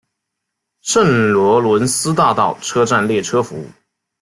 圣罗伦斯大道车站列车服务。